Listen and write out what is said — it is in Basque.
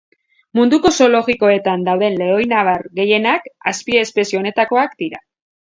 Munduko zoologikoetan dauden lehoinabar gehienak azpiespezie honetakoak dira.